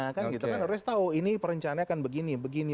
orang orang harus tahu ini perencanaan akan begini